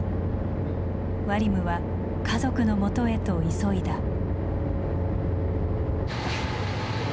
ワリムは家族のもとへと急いだ。